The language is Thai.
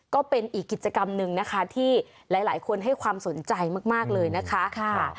ก็เป็นอีกกิจกรรมหนึ่งนะคะที่หลายคนให้ความสนใจมากเลยนะคะ